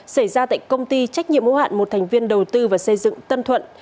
xảy ra tại công ty trách nhiệm hữu hạn một thành viên đầu tư và xây dựng tân thuận